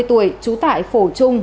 năm mươi tuổi trú tại phổ trung